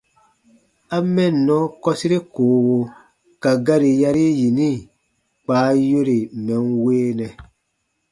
A « mɛnnɔ » kɔsire koowo ka gari yari yini kpa a yore mɛ̀ n weenɛ.